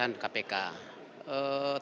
ya banyak cara untuk melakukan pengawasan